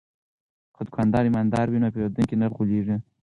که دوکاندار ایماندار وي نو پیرودونکی نه غولیږي.